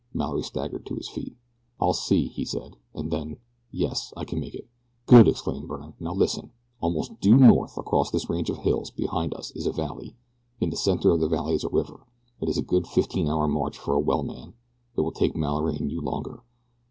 Mallory staggered to his feet. "I'll see," he said, and then: "Yes, I can make it." "Good," exclaimed Byrne. "Now listen. Almost due north, across this range of hills behind us is a valley. In the center of the valley is a river. It is a good fifteen hour march for a well man it will take Mallory and you longer.